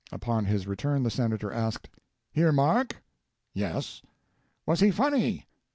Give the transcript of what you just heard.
Upon his return the Senator asked: "Hear Mark?" "Yes." "Was he funny?"